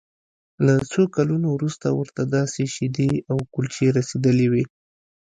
له څو کلونو وروسته ورته داسې شیدې او کلچې رسیدلې وې